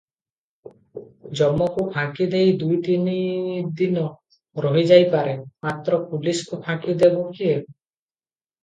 ଯମକୁ ଫାଙ୍କିଦେଇ ଦୁଇ ତିନିଦିନ ରହିଯାଇପାରେ; ମାତ୍ର ପୁଲିସ୍କୁ ଫାଙ୍କିଦେବ କିଏ?